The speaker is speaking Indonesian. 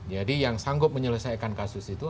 jadi yang sanggup menyelesaikan kasus itu